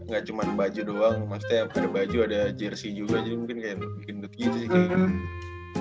gak cuman baju doang maksudnya ada baju ada jersey juga jadi mungkin kayak gendut gitu sih